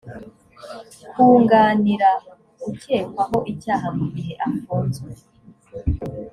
kunganira ukekwaho icyaha mu gihe afunzwe